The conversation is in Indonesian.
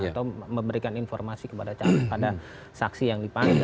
atau memberikan informasi kepada saksi yang dipanggil